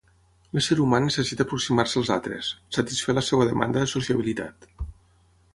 L'ésser humà necessita aproximar-se als altres, satisfer la seva demanda de sociabilitat.